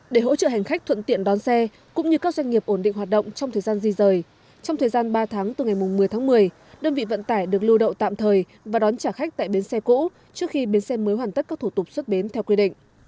để hỗ trợ hành khách thuận tiện đón xe cũng như các doanh nghiệp ổn định hoạt động trong thời gian di rời trong thời gian ba tháng từ ngày một mươi tháng một mươi đơn vị vận tải được lưu đậu tạm thời và đón trả khách tại bến xe cũ trước khi bến xe mới hoàn tất các thủ tục xuất bến theo quy định